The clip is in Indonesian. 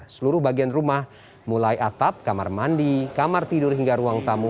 seluruh bagian rumah mulai atap kamar mandi kamar tidur hingga ruang tamu